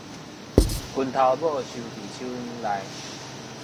拳頭拇收佇手䘼內